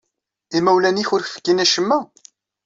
Imawlan-nnek ur ak-fkin acemma?